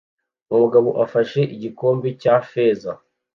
Umugabo afashe igikombe cya feza